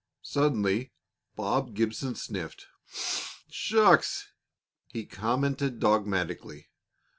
Suddenly Bob Gibson sniffed. "Shucks!" he commented dogmatically.